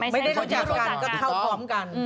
ไม่ใช่ที่เข้ามาอยู่กันก็เข้าพร้อมกัน